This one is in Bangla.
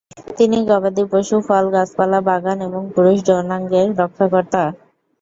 তিনি গবাদিপশু, ফল, গাছপালা, বাগান এবং পুরুষ যৌনাঙ্গের রক্ষাকর্তা।